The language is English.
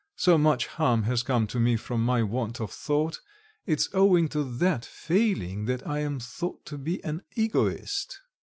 So much harm has come to me from my want of thought. It's owing to that failing that I am thought to be an egoist."